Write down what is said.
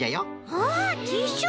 あっティッシュ